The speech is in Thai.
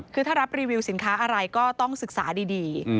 คือถ้ารับรีวิวสินค้าอะไรก็ต้องศึกษาดี